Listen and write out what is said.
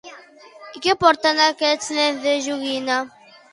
I què porten aquests nens de joguina?